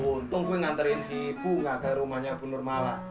untung gue nganterin si bunga ke rumahnya bu nurmala